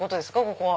ここは。